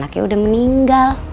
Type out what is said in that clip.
dan anaknya udah meninggal